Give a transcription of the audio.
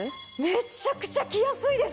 めちゃくちゃ着やすいです！